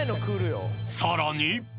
さらに。